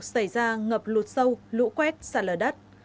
xảy ra ngập lụt sâu lũ quét sạt lở đất